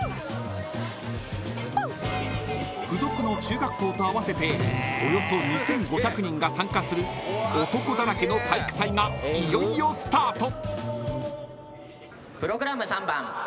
［付属の中学校と合わせておよそ２，５００人が参加する男だらけの体育祭がいよいよスタート］